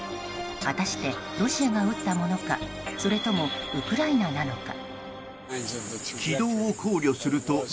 果たしてロシアが撃ったものかそれともウクライナなのか。